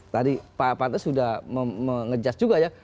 tadi pak pantas sudah mengejas juga ya